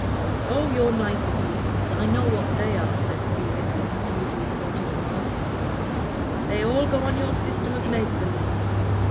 "Oh, your niceties I know what they are," said Felix, in his usual fortissimo. "They'll go on your system of make believe.